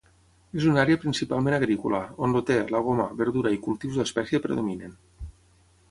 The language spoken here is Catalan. És una àrea principalment agrícola, on el te, la goma, verdura i cultius d'espècia predominen.